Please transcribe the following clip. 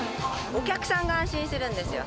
お客さんが安心するんですよ。